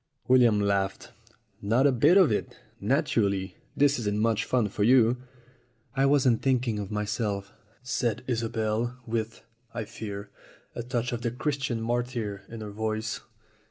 William laughed. "Not a bit of it. Naturally, this isn't much fun for you." "I wasn't thinking of myself," said Isobel, with, I fear, a touch of the Christian martyr in her voice.